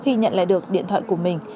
khi nhận lại được điện thoại của mình